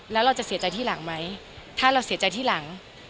แล้วเราจะเสียใจที่หลังไหมถ้าเราเสียใจที่หลัง